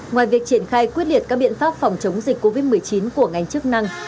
ngoài việc triển khai quyết liệt các biện pháp phòng chống dịch covid một mươi chín của ngành chức năng